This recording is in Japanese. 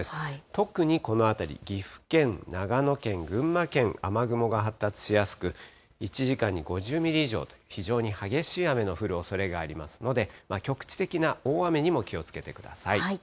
特にこの辺り、岐阜県、長野県、群馬県、雨雲が発達しやすく、１時間に５０ミリ以上という非常に激しい雨の降るおそれがありますので、局地的な大雨にも気をつけてください。